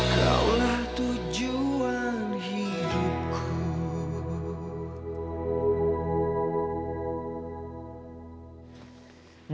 kau lah tujuan hidupku